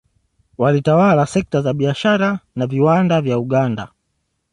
Walitawala sekta za biashara na viwanda vya Uganda